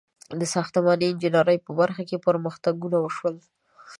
• د ساختماني انجینرۍ په برخه کې پرمختګونه وشول.